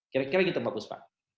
kira kira gitu pak buspa